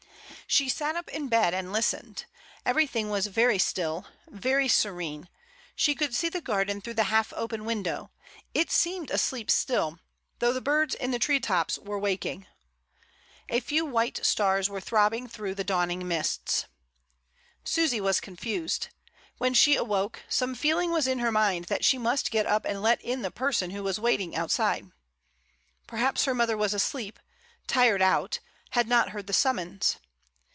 She sat up in bed and listened; every thing was very still, very serene; she could see the garden through the half open window — it seemed asleep still, though the birds in the tree tops were waking. A few white stars were throbbing through the dawning mists. IN THE DAWN. 1 1 1 Susy was confused; when she awoke, some feel ing was in her mind that she must get up and let in the person who was waiting outside. Perhaps her mother was asleep, tired out, had not heard the summons.